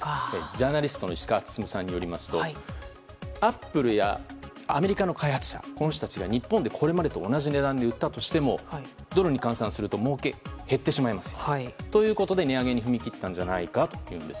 ジャーナリストの石川温さんによりますとアップルやアメリカの開発者が日本でこれまでと同じ値段で売ったとしてもドルに換算すると儲けが減ってしまいますよね。ということで値上げに踏み切ったのではないかと。